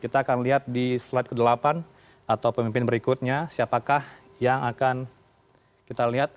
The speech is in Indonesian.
kita akan lihat di slide ke delapan atau pemimpin berikutnya siapakah yang akan kita lihat